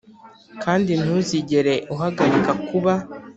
kandi ntuzigere uhagarika kuba,